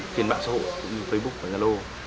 trên mạng xã hội cũng như facebook và galo